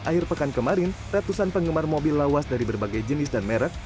akhir pekan kemarin ratusan penggemar mobil lawas dari berbagai jenis dan merek